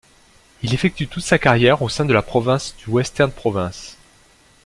Il effectue toute sa carrière au sein de la province du Western Province.